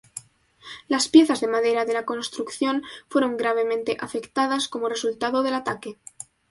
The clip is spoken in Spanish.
Las piezas de madera de la construcción fueron gravemente afectadas como resultado del ataque.